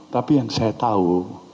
tapi yang saya tahu